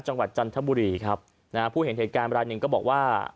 จันทบุรีครับนะฮะผู้เห็นเหตุการณ์รายหนึ่งก็บอกว่า